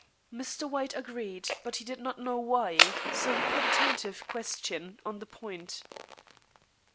Mr. White agreed, but he didn't know why, so he put a tentative question on the point.